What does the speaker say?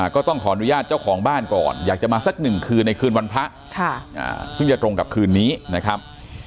ก็ต้องขออนุญาตเจ้าของบ้านก่อนอยากจะมาสักหนึ่งคืนในคืนวันพระซึ่งจะตรงกับคืนนี้นะครับ